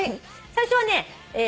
最初はね